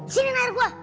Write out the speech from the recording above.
sini narik gua